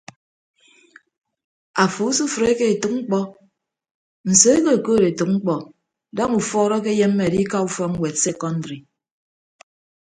Afo usufreke etәk mkpọ nsoo ke okood etәk mkpọ daña ufuọd akeyemme adika ufọk ñwed sekọndri.